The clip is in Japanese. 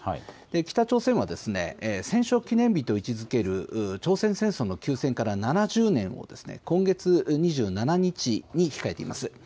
北朝鮮は戦勝記念日と位置づける朝鮮戦争の休戦から７０年を今月２７日に控えています。